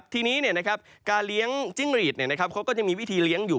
ทีนี้การเลี้ยงจิ้งหรีดเขาก็ยังมีวิธีเลี้ยงอยู่